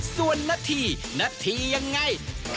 ส่วนนาธินาธิอย่างไร